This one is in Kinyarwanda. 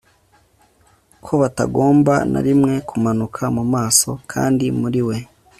ko batagomba na rimwe kumanuka mu maso. kandi muri we